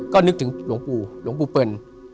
ก็นึกถึงหลวงปู่หลวงปู่เปิล